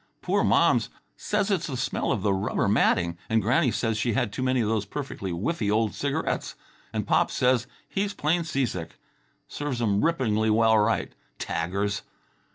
Poor Moms says it's the smell of the rubber matting, and Granny says she had too many of those perfectly whiffy old cigarettes, and Pops says he's plain seasick. Serves 'em rippingly well right _taggers!